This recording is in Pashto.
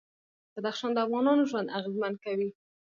بدخشان د افغانانو ژوند اغېزمن کوي.